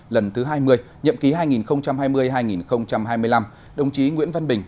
lần thứ hai mươi nhậm ký hai nghìn hai mươi hai nghìn hai mươi năm đồng chí nguyễn văn bình